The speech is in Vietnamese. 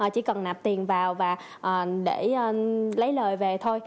chỉ cần nộp tiền vào để lấy lời về thôi